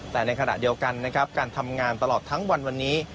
แต่ในขณะเดียวกันนะครับการทำงานตลอดทั้งวันวันนี้